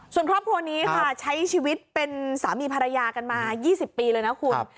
ส่วนครอบครัวนี้ค่ะใช้ชีวิตเป็นสามีภรรยากันมา๒๐ปีเลยนะคุณ